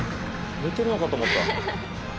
寝てるのかと思った。